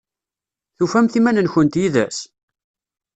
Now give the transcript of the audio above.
Tufamt iman-nkent yid-s?